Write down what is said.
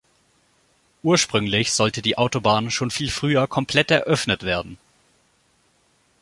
Ursprünglich sollte die Autobahn schon viel früher komplett eröffnet werden.